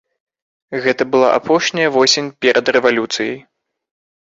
Гэта была апошняя восень перад рэвалюцыяй.